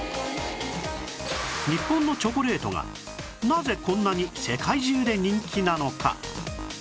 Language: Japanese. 日本のチョコレートがなぜこんなに世界中で人気なのか？